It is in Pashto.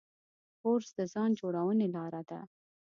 کورس د ځان جوړونې لاره ده.